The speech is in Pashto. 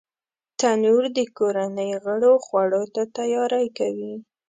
تنور د کورنۍ غړو خوړو ته تیاری کوي